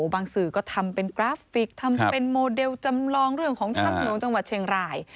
สื่อก็ทำเป็นกราฟิกทำเป็นโมเดลจำลองเรื่องของถ้ำหลวงจังหวัดเชียงราย